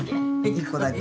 １個だけ。